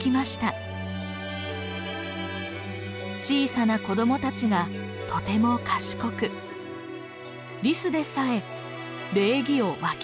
小さな子どもたちがとても賢くリスでさえ礼儀をわきまえているのです。